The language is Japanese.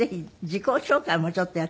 自己紹介？